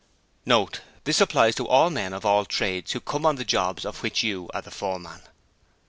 Note: This applies to all men of all trades who come on the jobs of which you are the foreman.